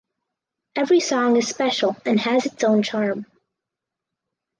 Every song is special and has its own charm.